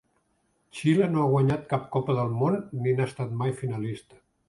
Xile no ha guanyat cap Copa del Món, ni n'ha estat mai finalista.